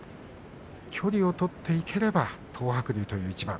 距離を取っていければ東白龍という一番。